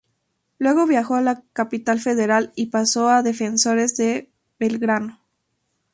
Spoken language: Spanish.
Luego viajó a Capital Federal y pasó a Defensores de Belgrano.